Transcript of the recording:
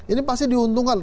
ini pasti diuntungkan